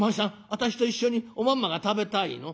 私と一緒におまんまが食べたいの？」。